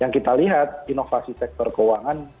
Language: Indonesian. yang kita lihat inovasi sektor keuangan